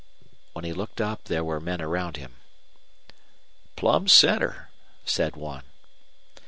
When he looked up there were men around him. "Plumb center," said one.